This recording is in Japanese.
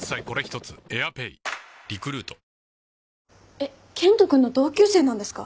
えっ健人君の同級生なんですか？